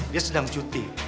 dia sedang cuti